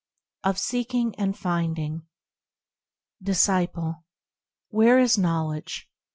1. Of Seeking and Finding Disciple. Where is knowledge